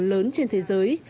lớn trên thế giới